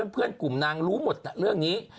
เพื่อนกลุ่มนางรู้หมดแต่เรื่องนี้